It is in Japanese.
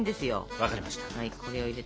分かりました。